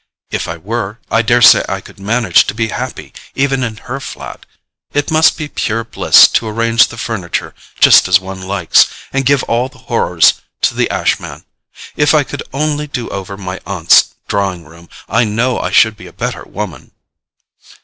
If I were, I daresay I could manage to be happy even in her flat. It must be pure bliss to arrange the furniture just as one likes, and give all the horrors to the ash man. If I could only do over my aunt's drawing room I know I should be a better woman."